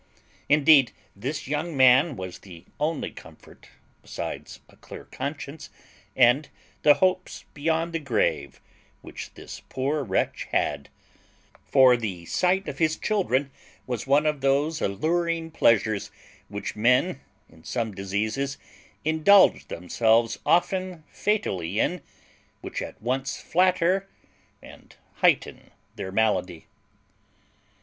Indeed this young man was the only comfort, besides a clear conscience and the hopes beyond the grave, which this poor wretch had; for the sight of his children was like one of those alluring pleasures which men in some diseases indulge themselves often fatally in, which at once flatter and heighten their malady.